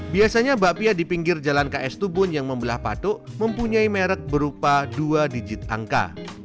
biasanya bapia di pinggir jalan ks tubun yang membelah patuk mempunyai merek berupa dua digit angka